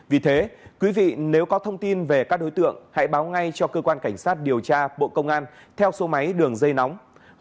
vì thế quý vị nếu có thông tin về các đối tượng hãy báo ngay cho cơ quan cảnh sát điều tra bộ công an theo số máy đường dây nóng